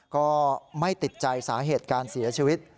ก็ไม่ติดใจสาเหตุการเสียชีวิต